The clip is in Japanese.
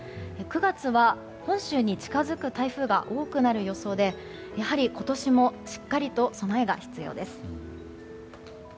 ９月は、本州に近づく台風が多くなる予想でやはり今年もしっかりと備えが必要です。